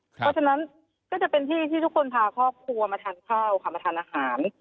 เพราะฉะนั้นก็จะเป็นที่ที่ทุกคนพาครอบครัวมาทานข้าวค่ะมาทานอาหาร